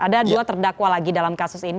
ada dua terdakwa lagi dalam kasus ini